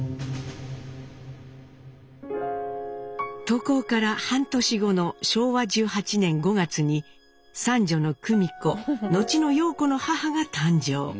渡航から半年後の昭和１８年５月に三女の久美子後の陽子の母が誕生。